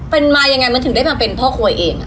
เป็นมายังไงมันถึงได้มาเป็นพ่อครัวเอง